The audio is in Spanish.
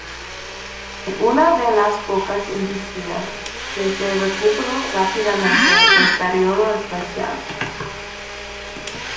Es una de las pocas industrias que se recuperó rápidamente del período especial.